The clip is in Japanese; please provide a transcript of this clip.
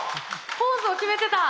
ポーズを決めてた。